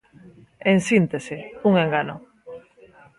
En síntese, un engano.